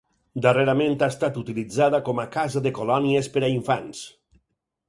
Darrerament ha estat utilitzada com a casa de colònies per a infants.